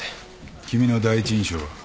君の第一印象は？